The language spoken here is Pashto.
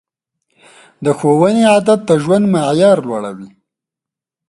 د ښوونې عادت د ژوند معیار لوړوي.